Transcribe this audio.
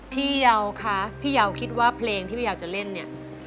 พี่เยาคะพี่ยาวคิดว่าเพลงที่พี่ยาวจะเล่นเนี่ย